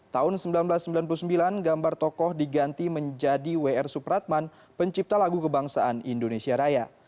tahun seribu sembilan ratus sembilan puluh sembilan gambar tokoh diganti menjadi wr supratman pencipta lagu kebangsaan indonesia raya